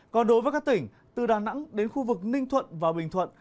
còn đối với các tỉnh từ đà nẵng đến khu vực ninh thuận và bình thuận